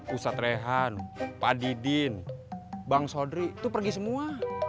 ustadz rehan pak didin bang sodri itu pergi semua